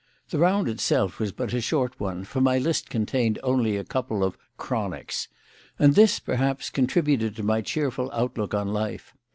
The round itself was but a short one, for my list contained only a couple of "chronics," and this, perhaps, contributed to my cheerful outlook on life.